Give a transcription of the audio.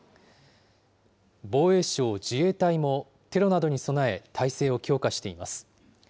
防衛省・自衛隊もテロなどに備え、態勢を強化しています。